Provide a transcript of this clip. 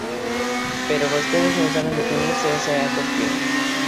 Pero vostedes non saben definir se esa é a cuestión.